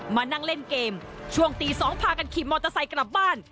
มานั่งเล่นเกมช่วงตี๒พากันขี่มอเตอร์ไซค์กลับบ้าน